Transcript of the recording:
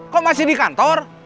kok masih di kantor